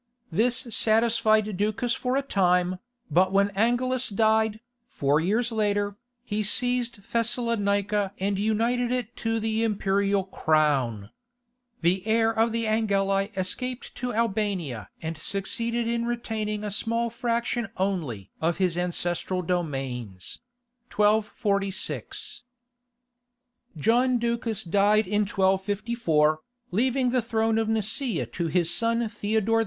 This satisfied Ducas for a time, but when Angelus died, four years later, he seized Thessalonica and united it to the imperial crown. The heir of the Angeli escaped to Albania and succeeded in retaining a small fraction only of his ancestral dominions . John Ducas died in 1254, leaving the throne of Nicaea to his son Theodore II.